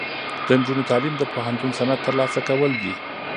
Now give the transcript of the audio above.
د نجونو تعلیم د پوهنتون سند ترلاسه کول دي.